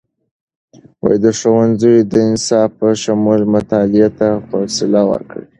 د ښوونځیو د نصاب په شمول، مطالعې ته خوصله ورکړئ.